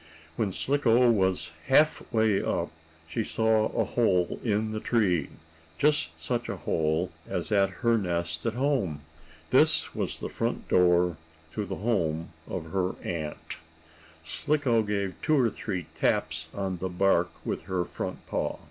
When Slicko was half way up, she saw a hole in the tree, just such a hole as at her nest at home. This was the front door to the home of her aunt. Slicko gave two or three taps on the bark with her front paw.